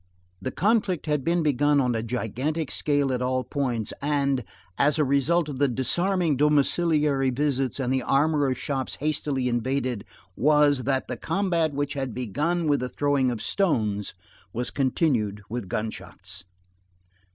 The conflict had been begun on a gigantic scale at all points; and, as a result of the disarming domiciliary visits, and armorers' shops hastily invaded, was, that the combat which had begun with the throwing of stones was continued with gun shots.